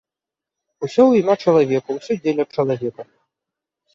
Усё ў імя чалавека, усё дзеля чалавека!